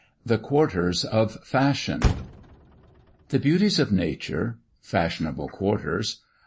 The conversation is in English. The Quarters of Fashion. THE BEAUTIES OF NATURE. FASHIONABLE QUARTERS.